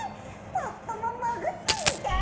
ポッポももぐってみたい！